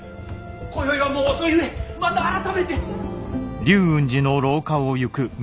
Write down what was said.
今宵はもう遅いゆえまた改めて！